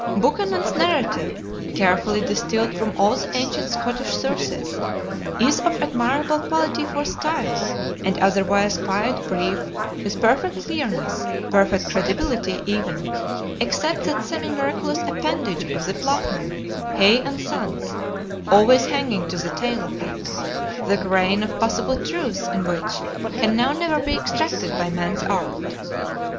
Buchanan's narrative, carefully distilled from all the ancient Scottish sources, is of admirable quality for style and otherwise quiet, brief, with perfect clearness, perfect credibility even, except that semi miraculous appendage of the Ploughmen, Hay and Sons, always hanging to the tail of it; the grain of possible truth in which can now never be extracted by man's art!